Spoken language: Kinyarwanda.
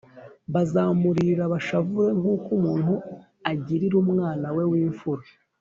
bazamuririra bashavure, nk’uko umuntu agirira umwana we w’imfura